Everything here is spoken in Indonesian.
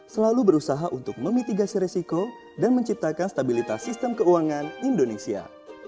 selalu berusaha untuk memitigasi resiko dan menciptakan stabilitas sistem keuangan indonesia